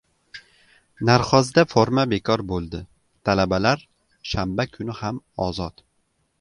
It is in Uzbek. "Narxoz"da "forma" bekor bo‘ldi. Talabalar shanba kuni ham "ozod"